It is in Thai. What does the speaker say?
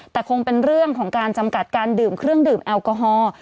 แต่คงเป็นเรื่องของการจำกัดการดื่มเครื่องดื่มแอลกอฮอล์